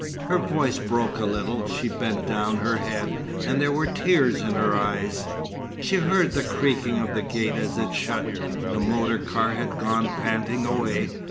Her voice broke a little. She bent down her head, and there were tears in her eyes. She heard the creaking of the gate as it shut. The motor car had gone panting away.